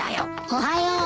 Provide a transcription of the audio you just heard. おはよう。